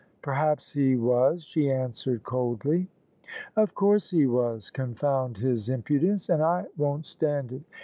" Perhaps he was," she answered coldly. "Of course he was, confound his impudence! And I won't stand it.